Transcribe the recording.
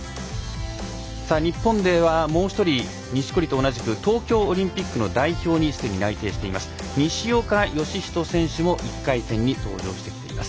日本では、もう１人錦織と同じく東京オリンピックの代表にすでに内定している西岡良仁選手も１回戦に登場してきています。